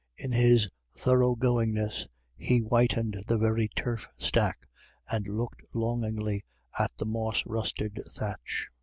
In his thorough goingness he whitened the very turf stack, and looked longingly at the moss rusted thatch.